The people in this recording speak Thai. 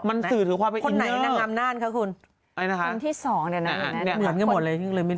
มันสืบถือความเป็นด้านของใครนะคะคนที่สองอย่างนั้นนี่เหมือนกันหมดเลย